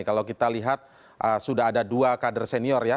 kalau kita lihat sudah ada dua kader senior ya